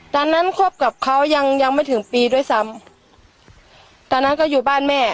ตอนนั้นคบกับเขายังยังไม่ถึงปีด้วยซ้ำตอนนั้นก็อยู่บ้านแม่